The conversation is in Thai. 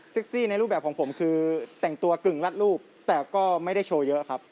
ซี่ในรูปแบบของผมคือแต่งตัวกึ่งรัดรูปแต่ก็ไม่ได้โชว์เยอะครับ